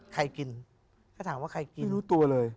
ใครกินก็ถามว่าใครกินไม่รู้ตัวเลย